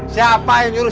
siapa yang nyuruh